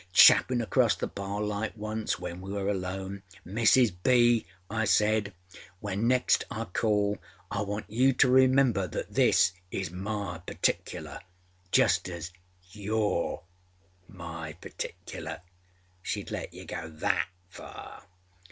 Chaffin across the bar like, once when we were alone, âMrs. B.,â I said, âwhen next I call I want you to remember that this is my particularâjust as youâre my particular?â (Sheâd let you go that far!)